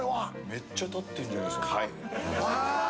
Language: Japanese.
めっちゃ立ってんじゃないですか。